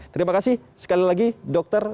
terima kasih sekali lagi dokter